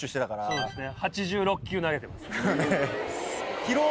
そうですね。